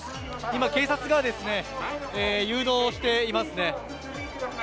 今警察が誘導していますね。